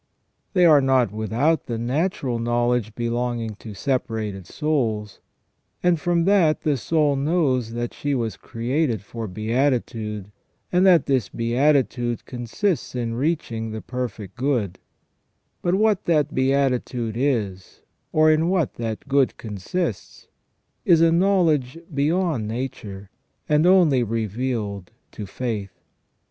They are not without the natural knowledge belonging to separated souls, and from that the soul knows that she was created for beatitude, and that this beatitude consists in reaching the perfect good ; but what that beatitude is, or in what that good consists, is a knowledge beyond nature, and only revealed to faith.